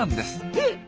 えっ！？